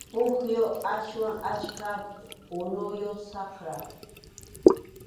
Pukyum aswan achka unuyuq, saqrap.